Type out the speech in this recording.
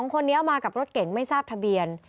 คนนี้มากับรถเก่งไม่ทราบทะเบียน